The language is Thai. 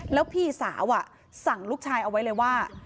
แล้วพี่สาวสั่งลูกชายเอาไว้เลยว่า